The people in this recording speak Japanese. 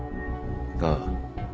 ああ。